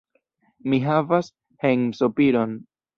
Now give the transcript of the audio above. Mi havas hejmsopiron.